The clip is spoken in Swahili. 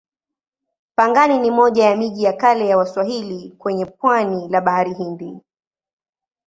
Pangani ni moja ya miji ya kale ya Waswahili kwenye pwani la Bahari Hindi.